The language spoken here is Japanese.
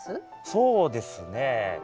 そうですね。